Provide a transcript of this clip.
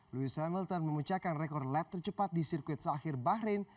louis hamilton memucahkan rekor lap tercepat di sirkuit sahir bahrain